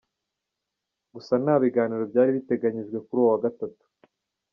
Gusa nta biganiro byari biteganyijwe kuri uwo wa Gatatu.